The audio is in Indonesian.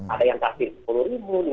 ada yang kasih sepuluh ribu